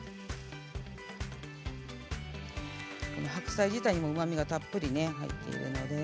白菜自体にもうまみがたっぷりです。